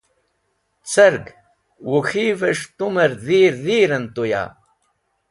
Cerg wuk̃hivẽs̃h tumẽr dhir dhirẽn tuya?